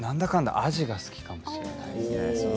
アジが好きかもしれないです。